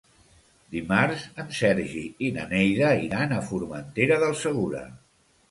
Dimarts en Sergi i na Neida iran a Formentera del Segura.